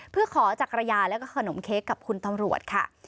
เพื่อขอจักรยานแล้วก็ขนมเค้กกับคุณตำรวจค่ะ